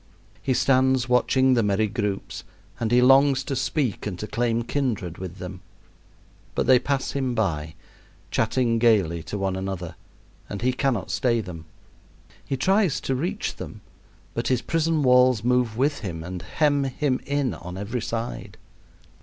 He stands watching the merry groups, and he longs to speak and to claim kindred with them. But they pass him by, chatting gayly to one another, and he cannot stay them. He tries to reach them, but his prison walls move with him and hem him in on every side.